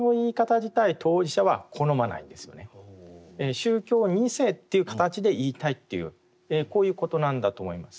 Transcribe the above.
宗教２世という形で言いたいっていうこういうことなんだと思います。